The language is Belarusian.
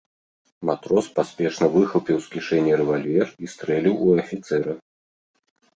Матрос паспешна выхапіў з кішэні рэвальвер і стрэліў у афіцэра.